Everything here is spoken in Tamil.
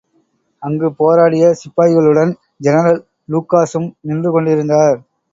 அங்கு போராடிய சிப்பாய்களுடன் ஜெனரல் லூகாஸும் நின்று கொண்டிருந்தார்.